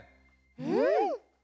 うん。